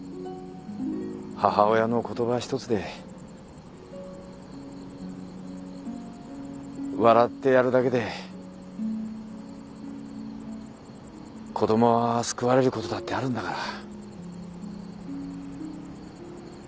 母親の言葉一つで笑ってやるだけで子供は救われることだってあるんだから。